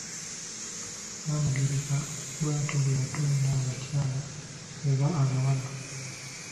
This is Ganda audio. Nnamugereka bwatyo bwe yatonda abakyala oba abawala.